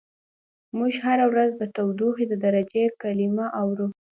موږ هره ورځ د تودوخې د درجې کلمه اورو.